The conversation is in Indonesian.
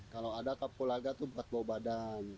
kalau ada kapulaga tuh buat bau badan